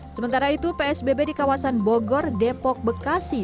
sementara itu psbb di kawasan bogor depok bekasi